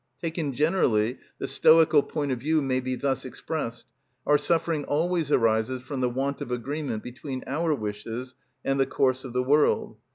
Taken generally the Stoical point of view may be thus expressed: our suffering always arises from the want of agreement between our wishes and the course of the world.